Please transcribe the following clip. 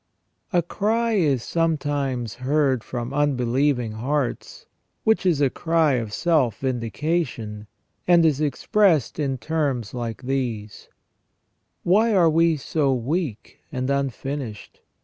A CRY is sometimes heard from unbelieving hearts, which is a cry of self vindication, and is expressed in terms like these :" Why are we so weak and unfinished